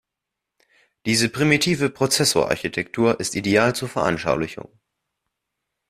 Diese primitive Prozessorarchitektur ist ideal zur Veranschaulichung.